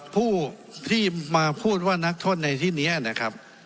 ผู้ที่มาพูดว่านักโทษในที่นี้นะครับ